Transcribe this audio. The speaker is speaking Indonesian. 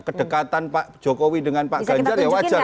kedekatan pak jokowi dengan pak ganjar ya wajar